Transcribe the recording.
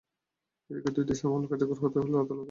এদিকে দুই দেশেই মামলা কার্যকর হতে হলে আদালত থেকে সনদ পেতে হবে।